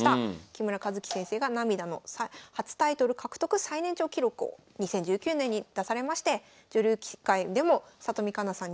木村一基先生が涙の初タイトル獲得最年長記録を２０１９年に出されまして女流棋界でも里見香奈さん